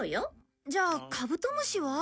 じゃあカブトムシは？